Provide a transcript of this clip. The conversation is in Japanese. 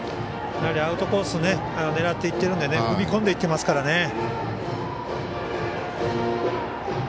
アウトコースを狙っていっているので踏み込んでいっていますからね。